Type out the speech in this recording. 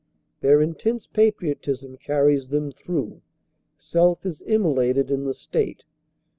Their intense patriotism carries them through. Self is immolated in the State.